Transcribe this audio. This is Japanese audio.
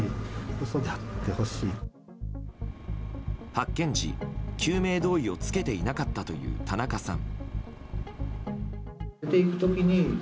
発見時、救命胴衣を着けていなかったという田中さん。